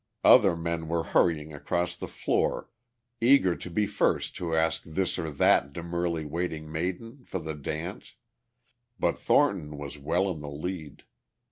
Other men were hurrying across the floor eager to be first to ask this or that demurely waiting maiden for the dance, but Thornton was well in the lead.